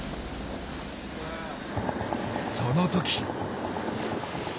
その時。